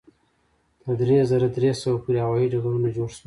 تر درې زره درې سوه پورې هوایي ډګرونه جوړ شول.